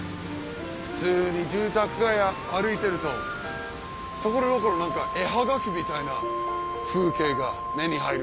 普通に住宅街歩いてると所々何か絵はがきみたいな風景が目に入る。